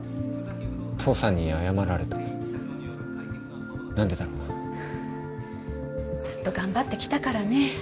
父さんに謝られた何でだろずっと頑張ってきたからね